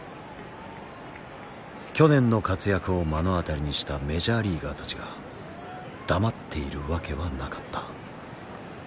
去年の活躍を目の当たりにしたメジャーリーガーたちが黙っているわけはなかった。